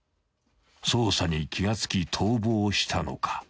［捜査に気が付き逃亡したのか］